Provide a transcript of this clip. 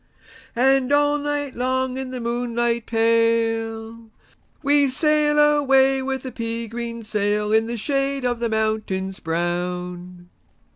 And all night long, in the moonlight pale, We sail away with a pea green sailIn the shade of the mountains brown."